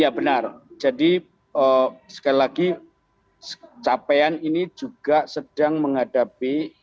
ya benar jadi sekali lagi capaian ini juga sedang menghadapi